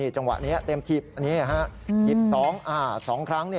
จังหวะนี้เต็มถีบ๒ครั้ง